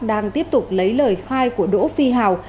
đang tiếp tục lấy lời khai của đỗ phi hào